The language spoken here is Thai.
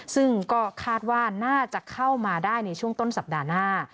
ซึ่งก็คาดว่าน่าจะเข้ามาได้ในช่วงต้นสัปดาห์หน้า